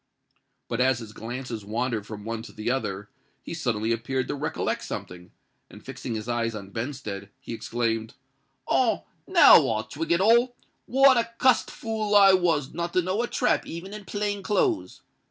But as his glances wandered from one to another, he suddenly appeared to recollect something; and, fixing his eyes on Benstead, he exclaimed, "Ah! now I twig it all. What a cussed fool I was not to know a trap even in plain clothes!